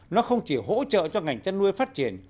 nó không chỉ hỗ trợ cho ngành chăn nuôi phát triển